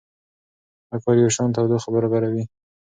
دا کار یوشان تودوخه برابروي.